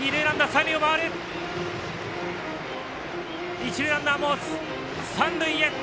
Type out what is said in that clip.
一塁ランナーも三塁へ！